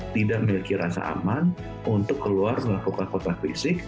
tidak memiliki rasa aman untuk keluar melakukan kontak fisik